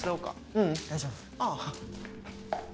ううん大丈夫ああ